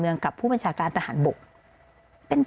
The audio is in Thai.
สิ่งที่ประชาชนอยากจะฟัง